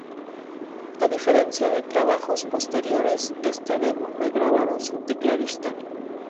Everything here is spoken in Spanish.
A diferencia de trabajos posteriores, este demo fue grabado sin tecladista.